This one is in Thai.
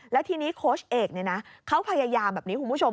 แล้วทีนี้โค้ชเอกเขาพยายามแบบนี้คุณผู้ชม